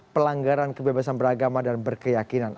pelanggaran kebebasan beragama dan berkeyakinan